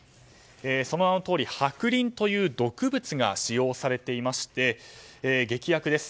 その名のとおり白リンという毒物が使用されていまして劇薬です。